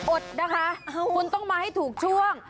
อดนะคะคุณต้องมาให้ถูกช่วง